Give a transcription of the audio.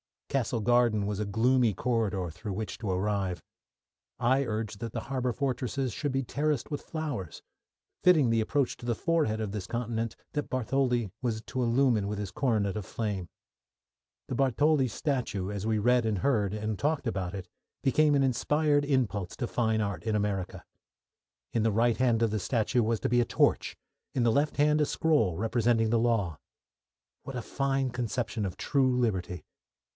Castle Garden was a gloomy corridor through which to arrive. I urged that the harbour fortresses should be terraced with flowers, fitting the approach to the forehead of this continent that Bartholdi was to illumine with his Coronet of Flame. The Bartholdi statue, as we read and heard, and talked about it, became an inspired impulse to fine art in America. In the right hand of the statue was to be a torch; in the left hand, a scroll representing the law. What a fine conception of true liberty!